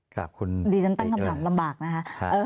กลับคุณดีถ้าคำถามลำบากนะคะ